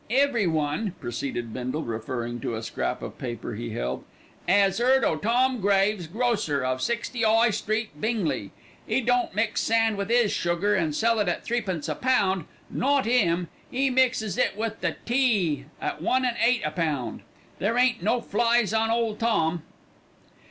"Everyone," proceeded Bindle, referring to a scrap of paper he held, "'as heard o' Tom Graves, grocer, of 60 'Igh Street, Bingley. 'E don't mix sand with 'is sugar and sell it at threepence a pound, not 'im; 'e mixes it wi' the tea at one an' eight a pound. There ain't no flies on old Tom.